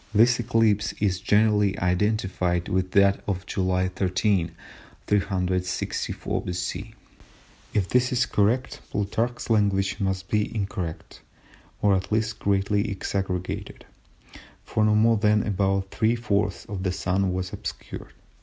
This eclipse is generally identified with that of July 13, 364 B.C. If this is correct, Plutarch's language must be incorrect, or at least greatly exaggerated, for no more than about three fourths of the Sun was obscured.